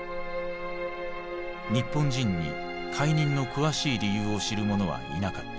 日本人に解任の詳しい理由を知る者はいなかった。